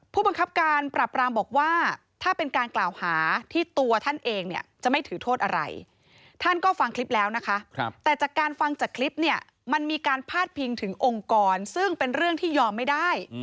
ผู้บังคับการปรับรามบอกว่าถ้าเป็นการกล่าวหาที่ตัวท่านเองเนี่ยจะไม่ถือโทษอะไรท่านก็ฟังคลิปแล้วนะคะแต่จากการฟังจากคลิปเนี่ยมันมีการพาดพิงถึงองค์กรซึ่งเป็นเรื่องที่ยอมไม่ได้